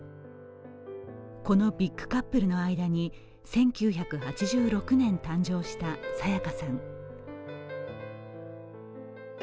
このビッグカップルの間に１９８６年誕生した沙也加さん。